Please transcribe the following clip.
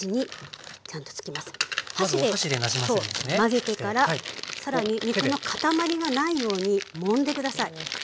混ぜてから更に肉の塊がないようにもんで下さい。